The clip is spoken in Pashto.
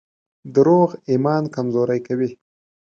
دروغ ایمان کمزوری کوي.